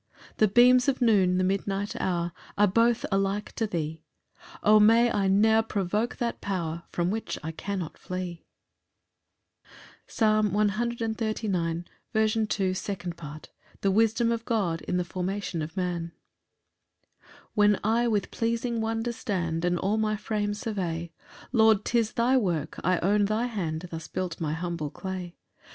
10 The beams of noon, the midnight hour, Are both alike to thee: O may I ne'er provoke that power From which I cannot flee! Psalm 139:5. Second Part. C. M. The wisdom of God in the formation of man. 1 When I with pleasing wonder stand, And all my frame survey, Lord, 'tis thy work; I own thy hand Thus built my humble clay.